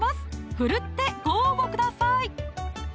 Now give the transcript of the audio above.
奮ってご応募ください